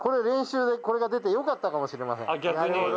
練習でこれが出てよかったかもしれません。